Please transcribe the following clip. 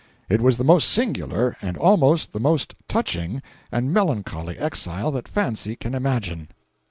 It was the most singular, and almost the most touching and melancholy exile that fancy can imagine.